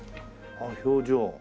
ああ表情。